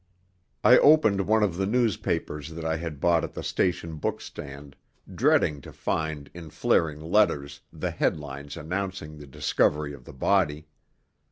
I opened one of the newspapers that I had bought at the station bookstand, dreading to find in flaring letters the headlines announcing the discovery of the body.